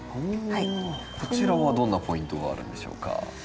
こちらはどんなポイントがあるんでしょうか？